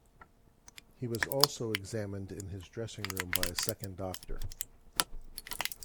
He was also examined in his dressing room by a second doctor.